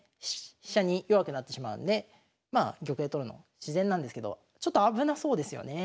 飛車に弱くなってしまうのでまあ玉で取るの自然なんですけどちょっと危なそうですよね。